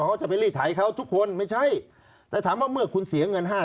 เขาจะไปรีดไถเขาทุกคนไม่ใช่แต่ถามว่าเมื่อคุณเสียเงินห้า